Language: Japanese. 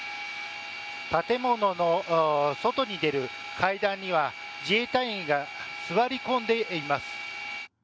建物の外に出る階段には自衛隊員が座り込んでいます。